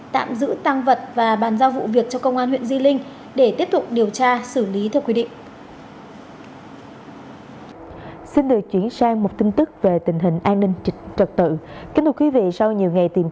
tạm giữ tăng vật và bàn giao vụ việc cho công an huyện di linh để tiếp tục điều tra xử lý theo quy định